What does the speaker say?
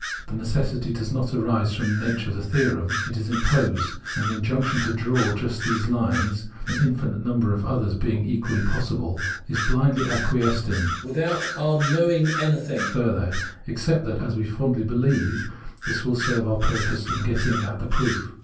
The necessity does not arise from the nature of the theorem : it is imposed ; and the injunction to draw just these lines, an infinite number of others being equally possible, is blindly acquiesced in, without our knowing anything further, except that, as we fondly believe, this will serve our purpose in getting at the proof.